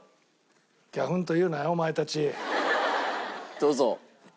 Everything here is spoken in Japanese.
どうぞ。